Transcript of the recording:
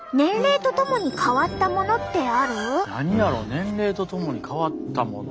「年齢とともに変わったもの」。